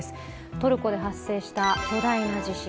トルコで発生した巨大な地震。